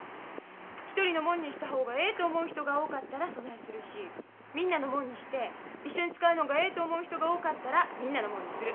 １人のもんにした方がええと思う人が多かったらそないするしみんなのもんにして一緒に使うのんがええと思う人が多かったらみんなのもんにする。